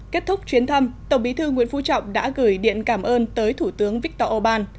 kết thúc chuyến thăm tổng bí thư nguyễn phú trọng đã gửi điện cảm ơn tới thủ tướng viktor orbán